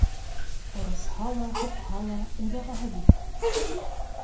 Орошһа ла, һуҡһа ла, үҙ ағаһы бит.